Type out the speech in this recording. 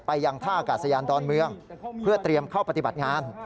ยังท่าอากาศยานดอนเมืองเพื่อเตรียมเข้าปฏิบัติงาน